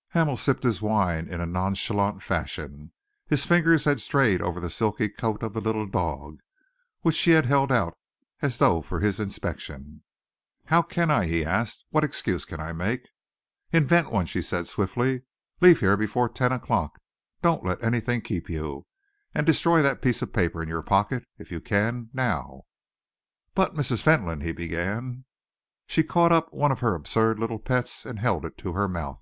'" Hamel sipped his wine in a nonchalant fashion. His fingers had strayed over the silky coat of the little dog, which she had held out as though for his inspection. "How can I?" he asked. "What excuse can I make?" "Invent one," she insisted swiftly. "Leave here before ten o'clock. Don't let anything keep you. And destroy that piece of paper in your pocket, if you can now." "But, Mrs. Fentolin " he began. She caught up one of her absurd little pets and held it to her mouth.